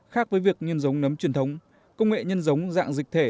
khác với việc nhân giống nấm truyền thống công nghệ nhân giống dạng dịch thể